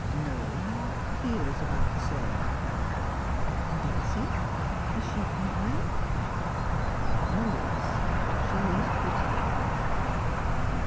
' No, he is about the same.' ' And Dulcie, is she quite well 1 '' Oh yes ; she is pretty well.'